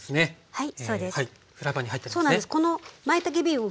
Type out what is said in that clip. はい。